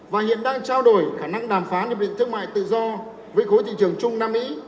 và hiện đang trao đổi khả năng đàm phán hiệp định thương mại tự do với khối thị trường trung nam mỹ